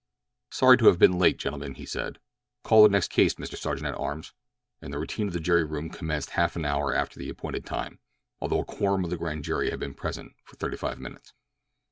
"Sorry to have been late, gentlemen," he said. "Call the next case, Mr. Sergeant at arms," and the routine of the jury room commenced half an hour after the appointed time, although a quorum of the grand jury had been present for thirty five minutes.